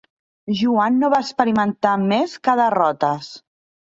Joan no va experimentar més que derrotes.